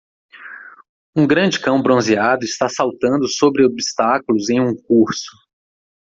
Um grande cão bronzeado está saltando sobre obstáculos em um curso.